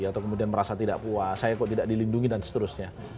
atau kemudian merasa tidak puas saya kok tidak dilindungi dan seterusnya